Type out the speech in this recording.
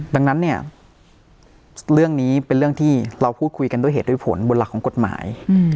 ดังนั้นเนี่ยเรื่องนี้เป็นเรื่องที่เราพูดคุยกันด้วยเหตุด้วยผลบนหลักของกฎหมาย